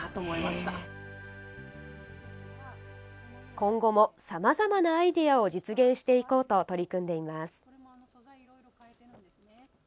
今後もさまざまなアイデアを実現していこうと取り組んでいます。